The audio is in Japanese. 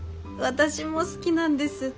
私も好きなんです